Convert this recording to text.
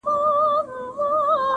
بې له ميني که ژوندون وي که دنیا وي-